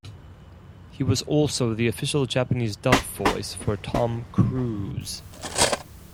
He was also the official Japanese dub-voice for Tom Cruise.